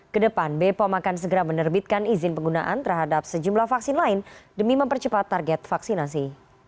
kedepan bepom akan segera menerbitkan izin penggunaan terhadap sejumlah vaksin lain demi mempercepat target vaksinasi